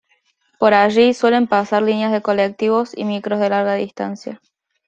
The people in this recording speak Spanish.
Por allí suelen pasar líneas de colectivos y micros de larga distancia.